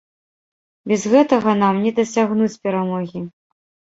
Без гэтага нам не дасягнуць перамогі.